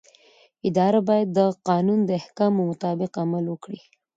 اداره باید د قانون د احکامو مطابق عمل وکړي.